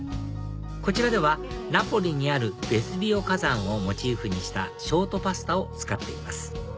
こちらではナポリにあるベスビオ火山をモチーフにしたショートパスタを使っています